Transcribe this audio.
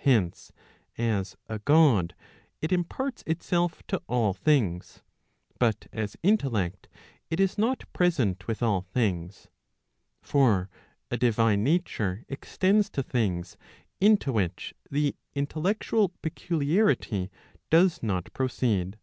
Hence, as a God it imparts itself to all things; but as intellect it is not present with all things. For a divine nature extends to things into which the intellec¬ tual peculiarity does not proceed.